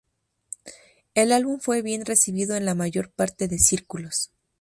El álbum fue bien recibido en la mayor parte de círculos.